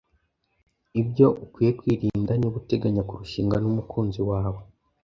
Ibyo ukwiye kwirinda niba uteganya kurushinga n'umukunzi wawe